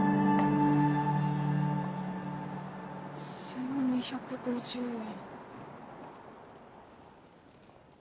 １２５０円。